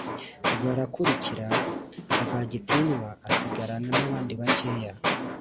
barakurikira rwagitinywa asigarana nabandi bakeya